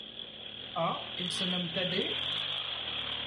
Ah! il se nomme Thaddée?